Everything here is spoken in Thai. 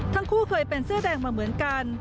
ทั้งคู่เคยเป็นเสื้อแดงมาเหมือนกัน